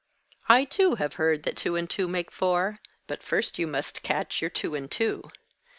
I too have heard that two and two make four; but first you must catch your two and two.